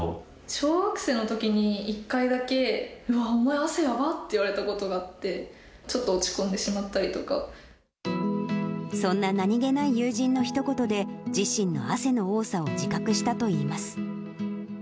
小学生のときに、一回だけ、うわっ、お前、汗やばって言われたことがあって、ちょっと落ち込んでしまったりとそんな何気ない友人のひと言で、自身の汗の多さを自覚したといいます。